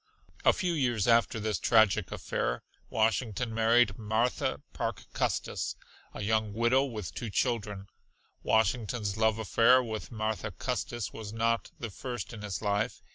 A few years after this tragic affair Washington married Martha Parke Custis, a young widow with two children. Washington's love affair with Martha Custis was not the first in his life.